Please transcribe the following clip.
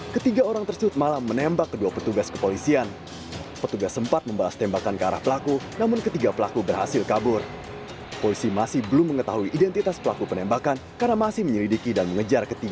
kondisi ketiga korban cukup stabil dan masih sadar